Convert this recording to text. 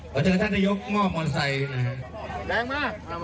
เราเจอกับท่านในยกงอกมอสไซนะครับ